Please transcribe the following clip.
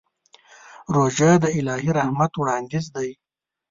روژه د الهي رحمت وړاندیز دی.